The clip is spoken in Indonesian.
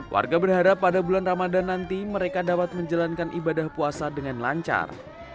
warga berharap pada bulan ramadan nanti mereka dapat menjalankan ibadah puasa dengan lancar